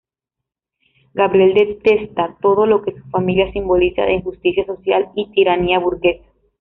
Gabriel detesta todo lo que su familia simboliza de injusticia social y tiranía burguesa.